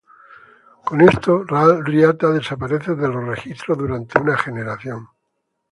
Con esto, Dál Riata desaparece de los registros durante una generación.